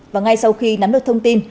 và ngay sau khi nắm được thông tin